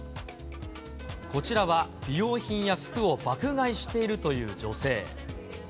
こちらは美容品や服を爆買いしているという女性。